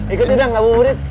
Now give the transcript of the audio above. ikutin dong gak mau buret